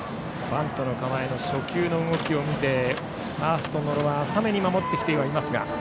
バントの構えの初球の動きを見てファーストの野呂は浅めに守っていますが。